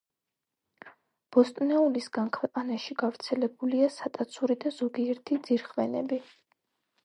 ბოსტნეულისგან ქვეყანაში გავრცელებულია სატაცური და ზოგიერთი ძირხვენები.